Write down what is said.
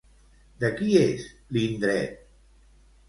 De qui és, l'indret?